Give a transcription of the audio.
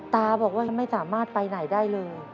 ตาบอกว่าไม่สามารถไปไหนได้เลย